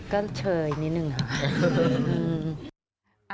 ก็เชยนิดนึงค่ะ